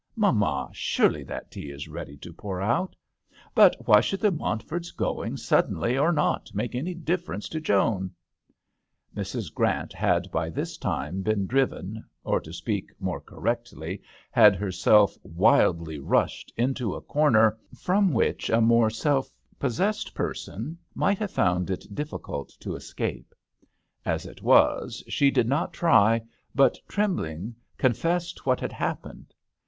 Mamma, surely that tea is ready to pour out? But why should the Montford's going suddenly or not make any difference to Joan ?" Mrs. Grant had by this time been driven, or to speak more correctly, had herself wildly rushed, into a corner from which a more self possessed person might have found it difficult to escape. As it was she did not try, but, trembling, confessed what had happened.